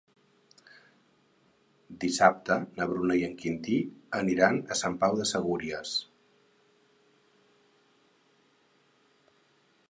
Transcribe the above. Dissabte na Bruna i en Quintí aniran a Sant Pau de Segúries.